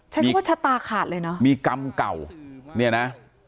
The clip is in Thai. ใช้คำว่าชะตาขาดเลยเนอะมีกรรมเก่าเนี่ยนะ